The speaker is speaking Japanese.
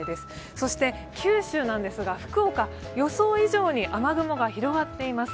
そして九州なんですが福岡、予想以上に雨雲が広がっています。